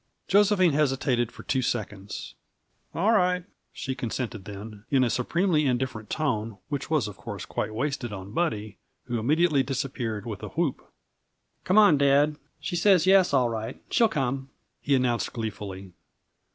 Josephine hesitated for two seconds. "All right," she consented then, in a supremely indifferent tone which was of course quite wasted on Buddy, who immediately disappeared with a whoop. "Come on, dad she says yes, all right, she'll come," he announced gleefully.